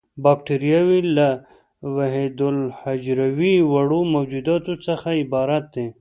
باکټریاوې له وحیدالحجروي وړو موجوداتو څخه عبارت دي.